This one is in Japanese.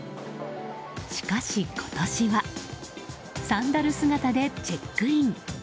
しかし今年はサンダル姿でチェックイン。